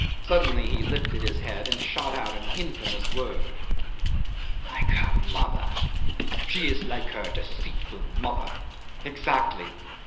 Suddenly he lifted his head and shot out an infamous word. "Like her mother she is like her deceitful mother. Exactly.